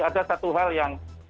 ada satu hal yang